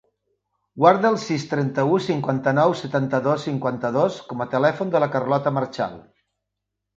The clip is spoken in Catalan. Guarda el sis, trenta-u, cinquanta-nou, setanta-dos, cinquanta-dos com a telèfon de la Carlota Marchal.